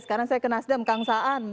sekarang saya ke nasdem kangsaan